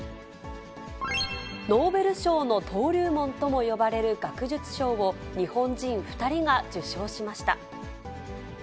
ノーベル賞の登竜門とも呼ばれる学術賞を日本人２人が受賞しました。